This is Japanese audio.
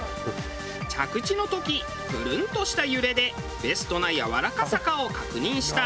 着地の時プルンとした揺れでベストなやわらかさかを確認したら。